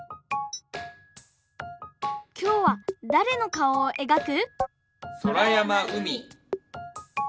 きょうはだれのかおをえがく？